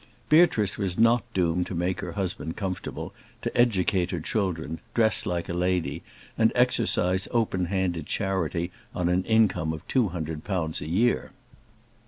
Beatrice was not doomed to make her husband comfortable, to educate her children, dress herself like a lady, and exercise open handed charity on an income of two hundred pounds a year.